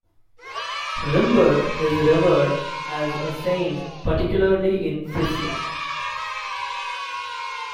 Rimbert is revered as a saint particularly in Frisia.